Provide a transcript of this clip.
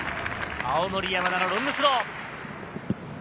青森山田のロングスロー。